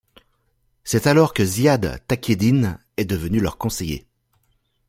C'est alors que Ziad Takieddine est devenu leur conseiller.